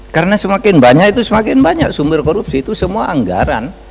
karena semakin banyak itu semakin banyak sumber korupsi itu semua anggaran